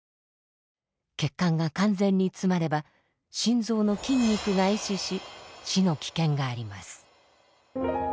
血管が完全に詰まれば心臓の筋肉が壊死し死の危険があります。